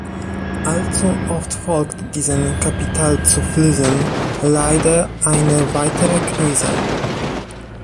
Allzu oft folgt diesen Kapitalzuflüssen leider eine weitere Krise.